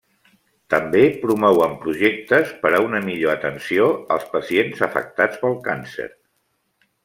També promouen projectes per una millor atenció als pacients afectats pel càncer.